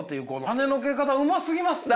はねのけ方うますぎますって。